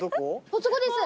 あそこです！